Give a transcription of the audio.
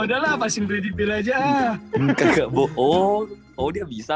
udah lah pasti beli aja enggak bohong oh dia bisa